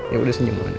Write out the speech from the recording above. yaudah senyum aja